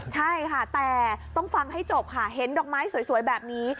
ใช่ค่ะแต่ต้องฟังให้จบค่ะเห็นดอกไม้สวยแบบนี้